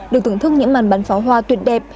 được thưởng thức những màn bắn pháo hoa tuyệt đẹp